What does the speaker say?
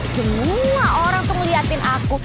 semua orang tuh ngeliatin aku